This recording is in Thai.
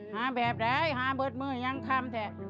หาแบบไหนหาเปิดมือยังค่ำแค่